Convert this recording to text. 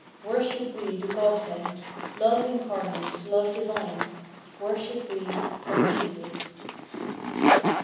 Worship we the Godhead, Love Incarnate, Love Divine,— Worship we our Jesus.